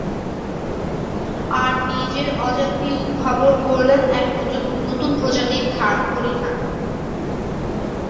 আর নিজের অজান্তেই উদ্ভাবন করলেন এক নতুন প্রজাতির ধান, হরিধান।